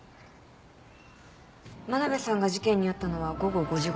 真鍋さんが事件に遭ったのは午後５時ごろ。